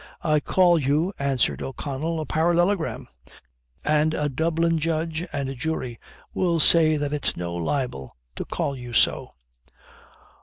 "I call you," answered O'Connell, "a parallelogram; and a Dublin judge and jury will say that it's no libel to call you so!"